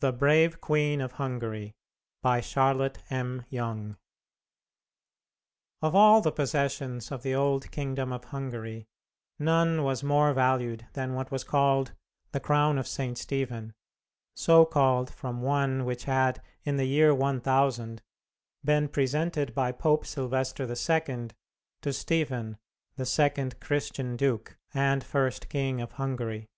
THE BRAVE QUEEN OF HUNGARY By Charlotte M. Yonge Of all the possessions of the old kingdom of Hungary, none was more valued than what was called the Crown of St. Stephen, so called from one which had, in the year 1000, been presented by Pope Sylvester II to Stephen, the second Christian Duke, and first King of Hungary.